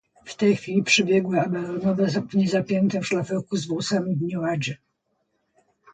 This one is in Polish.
"W tej chwili przybiegła baronowa w niezapiętym szlafroku, z włosami w nieładzie."